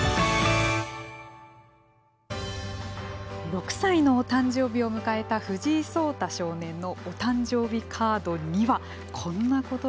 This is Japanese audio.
６歳のお誕生日を迎えた藤井聡太少年のお誕生日カードにはこんなことが書いてありました。